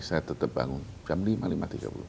saya tetap bangun jam lima lima tiga puluh